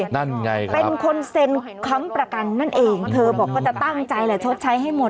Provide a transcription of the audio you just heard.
เป็นคนเซ็นค้ำประกันนั่นเองเธอบอกว่าจะตั้งใจละชดใช้ให้หมด